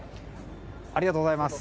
ありがとうございます。